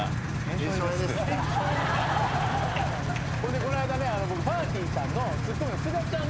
でこの間ねぱーてぃーちゃんのツッコミの。